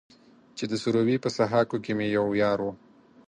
چې د سروبي په سهاکو کې مې يو يار و.